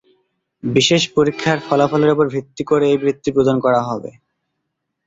বিশেষ পরীক্ষার ফলাফলের উপর ভিত্তি করে এই বৃত্তি প্রদান করা হবে।